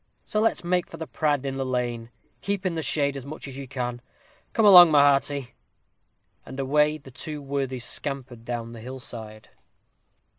So let's make for the prad in the lane. Keep in the shade as much as you can. Come along, my hearty." And away the two worthies scampered down the hill side.